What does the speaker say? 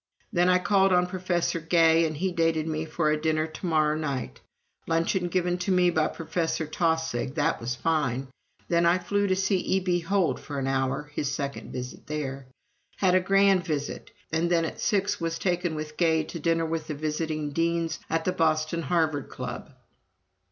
Then I called on Professor Gay and he dated me for a dinner to morrow night. Luncheon given to me by Professor Taussig that was fine. ... Then I flew to see E.B. Holt for an hour [his second visit there]. Had a grand visit, and then at six was taken with Gay to dinner with the visiting Deans at the Boston Harvard Club."